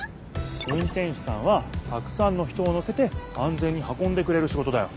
運転手さんはたくさんの人をのせてあんぜんにはこんでくれるシゴトだよ。